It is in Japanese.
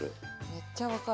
めっちゃ分かる。